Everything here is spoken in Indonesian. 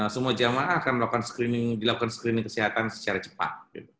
semua jemaah akan melakukan screening kesehatan secara cepat